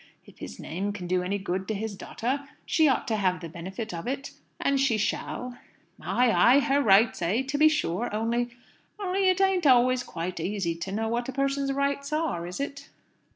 If his name can do any good to his daughter, she ought to have the benefit of it and she shall." "Ay, ay. Her rights, eh? To be sure. Only only it ain't always quite easy to know what a person's rights are, is it?"